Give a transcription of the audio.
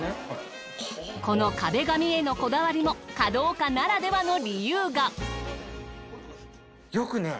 この壁紙へのこだわりも華道家ならではの理由が。